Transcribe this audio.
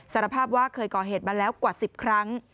สารภาพว่าเคยก่อเหตุมาแล้วกว่า๑๐ครั้ง